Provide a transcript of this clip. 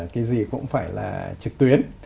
cái gì cũng phải là trực tuyến